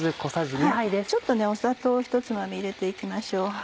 ちょっとね砂糖ひとつまみ入れていきましょう。